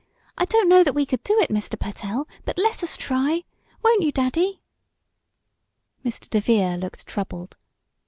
I don't know that we could do it, Mr. Pertell, but let us try! Won't you, Daddy?" Mr. DeVere looked troubled.